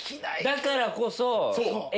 だからこそ。